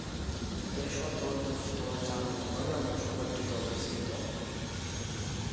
এর সদর দফতর জামনগর নামক শহরটিতে অবস্থিত।